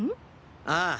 ああ